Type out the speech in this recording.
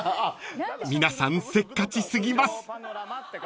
［皆さんせっかち過ぎます］